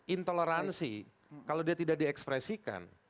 intoleransi kalau dia tidak diekspresikan